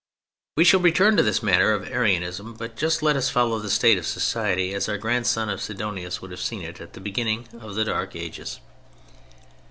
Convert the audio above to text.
We shall return to this matter of Arianism. But just let us follow the state of society as our grandson of Sidonius would have seen it at the beginning of the Dark Ages.